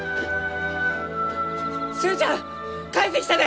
寿恵ちゃん帰ってきたで！